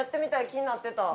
気になってた」